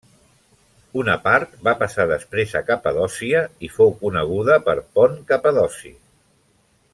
Una part va passar després a Capadòcia i fou coneguda per Pont Capadoci.